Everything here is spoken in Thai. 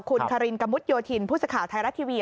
คุณคารินกะมุดโยธินผู้สื่อข่าวไทยรัฐทีวี